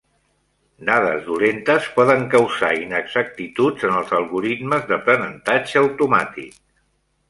Dades dolentes poden causar inexactituds en els algoritmes d'aprenentatge automàtic.